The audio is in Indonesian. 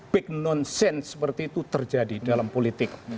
big nonsense seperti itu terjadi dalam politik